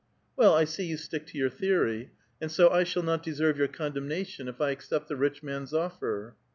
" Well, 1 see you stick to your theory. And so I shall not deserve your condemnation, if I accept the rich man's offer?"